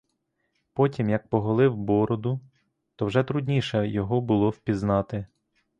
Потім як поголив бороду, то вже трудніше його було впізнати.